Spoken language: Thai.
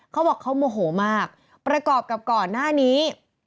เขาบอกเขาโมโหมากประกอบกับก่อนหน้านี้